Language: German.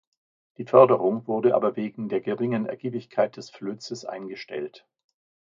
Die Förderung wurde aber wegen der geringen Ergiebigkeit des Flözes eingestellt.